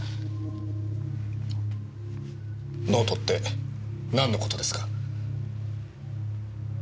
ノートってなんのことですか？